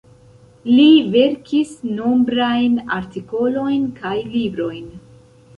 Li verkis nombrajn artikolojn kaj librojn.